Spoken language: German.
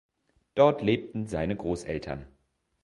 Dort lebten seine Großeltern.